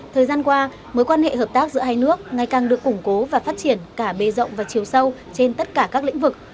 thời gian qua mối quan hệ hợp tác giữa hai nước ngày càng được củng cố và phát triển cả bê rộng và chiều sâu trên tất cả các lĩnh vực